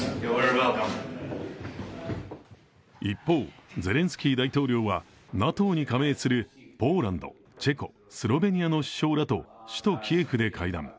一方、ゼレンスキー大統領はＮＡＴＯに加盟するポーランド、チェコ、スロベニアの首相らと首都キエフで会談。